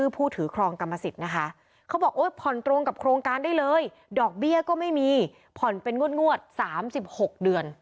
ผ่อนตรงกับโครงการได้เลยดอกเบี้ยก็ไม่มีผ่อนเป็นงวด๓๖เดือน